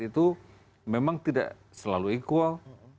itu memang tidak selalu equal